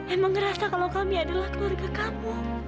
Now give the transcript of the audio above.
emang ngerasa kalau kami adalah keluarga kamu